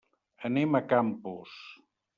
Anem a Campos.